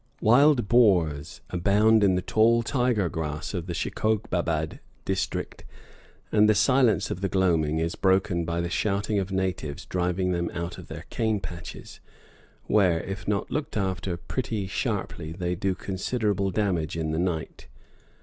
Wild boars abound in the tall tiger grass of the Shikobabad district and the silence of the gloaming is broken by the shouting of natives driving them out of their cane patches, where, if not looked after pretty sharply, they do considerable damage in the night.